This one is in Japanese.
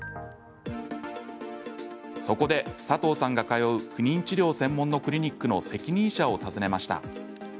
そこで、佐藤さんが通う不妊治療専門のクリニックの責任者を訪ねました。